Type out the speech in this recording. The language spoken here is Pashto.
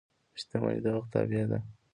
• شتمني د وخت تابع ده.